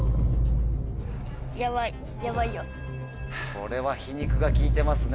これは皮肉が効いてますね。